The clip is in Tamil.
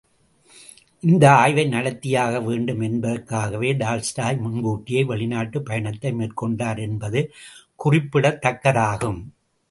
இந்த ஆய்வை நடத்தியாக வேண்டும் என்பதற்காகவே, டால்ஸ்டாய் முன்கூட்டியே வெளிநாட்டுப் பயணத்தை மேற்கொண்டார் என்பது குறிப்பிடத்தக்கதாகும்.